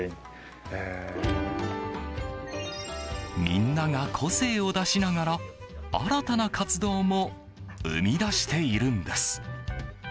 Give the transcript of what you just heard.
みんなが個性を出しながら新たな活動も生み出しているんです。